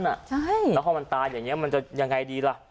แล้วพอมันตายอย่างนี้มันจะยังไงดีล่ะ